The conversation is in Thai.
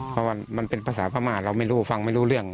เพราะมันเป็นภาษาพม่าเราไม่รู้ฟังไม่รู้เรื่อง